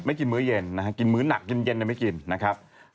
กินมื้อเย็นนะฮะกินมื้อหนักเย็นไม่กินนะครับ